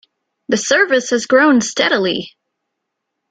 The service has grown steadily.